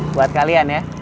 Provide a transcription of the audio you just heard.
buat kalian ya